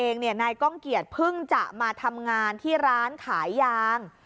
นายก้องเกียจเพิ่งจะมาทำงานที่ร้านขายยาง